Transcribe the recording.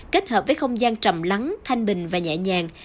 kết hợp với không gian trầm lắng thanh bình và nhẹ nhàng